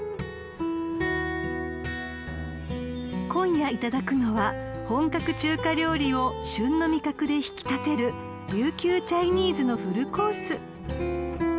［今夜いただくのは本格中華料理を旬の味覚で引き立てる琉球チャイニーズのフルコース］